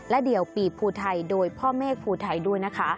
เดี่ยวปีบภูไทยโดยพ่อเมฆภูไทยด้วยนะคะ